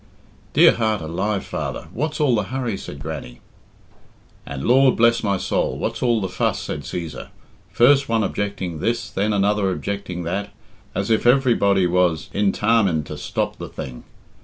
"Dear heart alive, father, what's all the hurry?" said Grannie. "And Lord bless my soul, what's all the fuss?" said Cæsar. "First one objecting this, then another objecting that, as if everybody was intarmined to stop the thing.